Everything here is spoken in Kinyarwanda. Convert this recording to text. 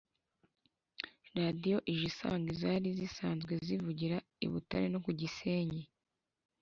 radiyo ije isanga izari zisanzweho zivugira i Butare no ku Gisenyi